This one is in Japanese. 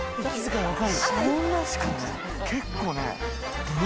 結構ね。